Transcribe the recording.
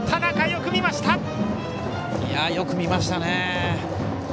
よく見ましたね。